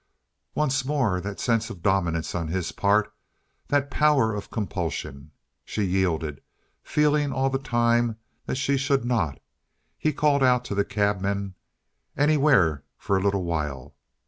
Once more that sense of dominance on his part, that power of compulsion. She yielded, feeling all the time that she should not; he called out to the cabman, "Anywhere for a little while."